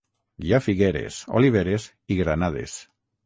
Hi ha figueres, oliveres i granades.